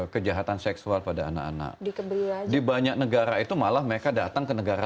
kejahatan seksual pada anak anak di banyak negara itu malah mereka datang ke negara